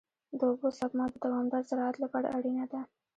د اوبو سپما د دوامدار زراعت لپاره اړینه ده.